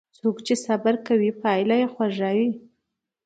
څوک چې صبر کوي، پایله یې خوږه وي.